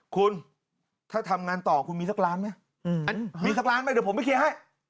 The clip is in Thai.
คุณถ้าทำงานต่อคุณมีสักล้านไหมมีสักล้านไหมเดี๋ยวผมไปเคลียร์ให้